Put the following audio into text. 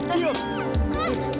kita kalah bukan